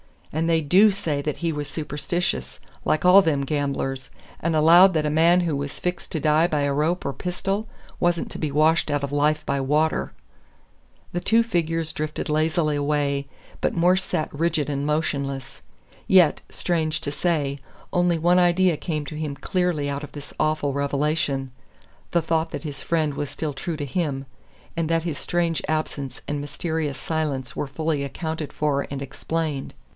And they DO say that he was superstitious, like all them gamblers, and allowed that a man who was fixed to die by a rope or a pistol wasn't to be washed out of life by water." The two figures drifted lazily away, but Morse sat rigid and motionless. Yet, strange to say, only one idea came to him clearly out of this awful revelation the thought that his friend was still true to him and that his strange absence and mysterious silence were fully accounted for and explained.